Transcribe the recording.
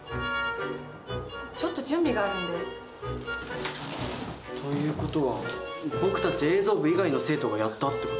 ちょっと準備があるんで。という事は僕たち映像部以外の生徒がやったって事？